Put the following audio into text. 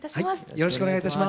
よろしくお願いします。